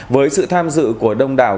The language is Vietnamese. với sự tham dự của đông đảo